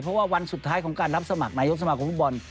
เพราะว่าวันสุดท้ายของการรับสมัครนายกสมาคมฟุตบอล